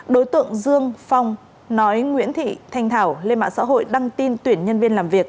đối tượng dương phong nói nguyễn thị thanh thảo lên mạng xã hội đăng tin tuyển nhân viên làm việc